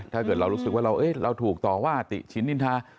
ถ้าเกิดเรารู้สึกว่าเราถูกต่อว่าติชินนินทา